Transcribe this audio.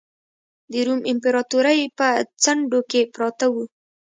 د روم امپراتورۍ په څنډو کې پراته وو.